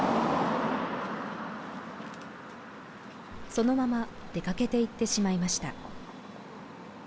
そのまま出かけていってしまいました